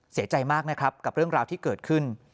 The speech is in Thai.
เสียใจมากนะครับกับเรื่องราวที่เกิดขึ้น